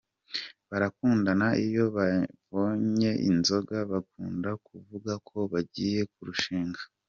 Barakundana, iyo banyoye inzoga bakunda kuvuga ko bagiye kurushinga.